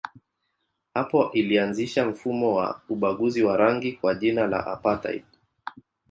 Hapo ilianzisha mfumo wa ubaguzi wa rangi kwa jina la apartheid.